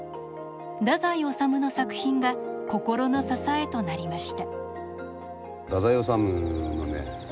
太宰治の作品が心の支えとなりました。